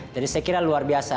jadi saya kira luar biasa